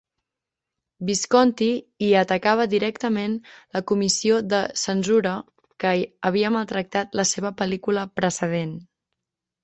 Visconti hi atacava directament la comissió de censura que havia maltractat la seva pel·lícula precedent.